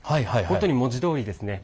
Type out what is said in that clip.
本当に文字どおりですね